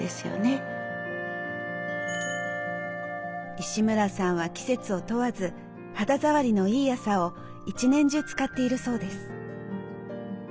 石村さんは季節を問わず肌触りのいい麻を一年中使っているそうです。